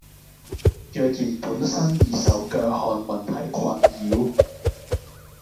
若然本身已受腳汗問題困擾